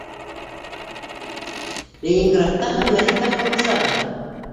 Ленинградта хеҙмәт итә ҡолонсағы.